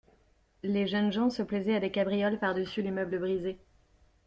Les jeunes gens se plaisaient à des cabrioles par-dessus les meubles brisés.